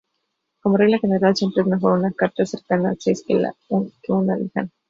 Como regla general, siempre es mejor una carta cercana al seis que una lejana.